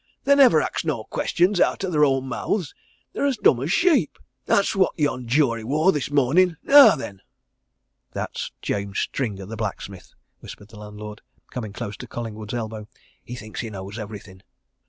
They nivver ax no questions out o' their own mouths they're as dumb as sheep that's what yon jury wor this mornin' now then!" "That's James Stringer, the blacksmith," whispered the landlord, coming close to Collingwood's elbow. "He thinks he knows everything!"